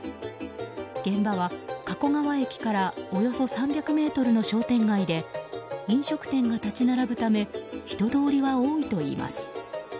現場は加古川駅からおよそ３００ｍの商店街で飲食店が立ち並ぶため人通りは多いといいます。